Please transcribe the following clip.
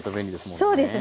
そうですね